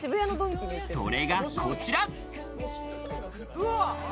それが、こちら。